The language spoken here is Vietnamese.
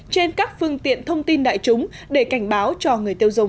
trên các phương tiện thông tin đại chúng để cảnh báo cho người tiêu dùng